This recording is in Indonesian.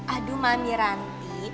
aduh mami ranti